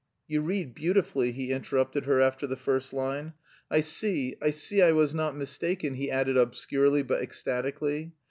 "You read beautifully," he interrupted her after the first line. "I see, I see I was not mistaken," he added obscurely but ecstatically.